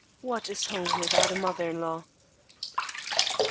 WHAT IS HOME WITHOUT A MOTHER IN LAW?